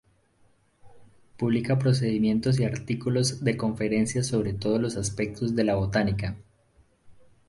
Publica procedimientos y artículos de conferencias sobre todos los aspectos de la botánica.